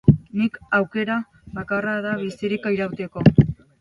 Nire aukera bakarra da bizirik irauteko.